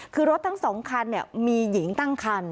คือรถทั้ง๒คันมีหญิงตั้งคัน